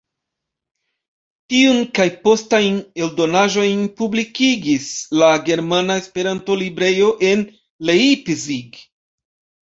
Tiun kaj postajn eldonaĵojn publikigis la Germana Esperanto-Librejo en Leipzig.